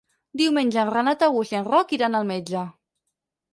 Diumenge en Renat August i en Roc iran al metge.